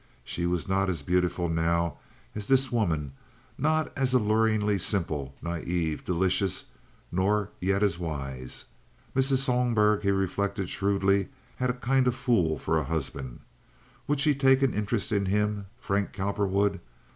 She was not as beautiful now as this woman—not as alluringly simple, naive, delicious, nor yet as wise. Mrs. Sohlberg, he reflected shrewdly, had a kind of fool for a husband. Would she take an interest in him, Frank Cowperwood?